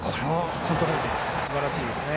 すばらしいですね。